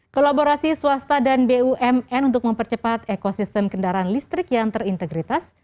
kolaborasi swasta dan bumn untuk mempercepat ekosistem kendaraan listrik yang terintegritas